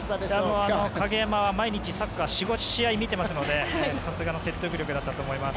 もう影山は毎日サッカー４５試合見ているのでさすがの説得力だったと思います。